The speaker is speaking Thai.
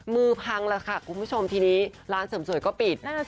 มือพังแล้วค่ะคุณผู้ชมทีนี้ร้านเสริมสวยก็ปิด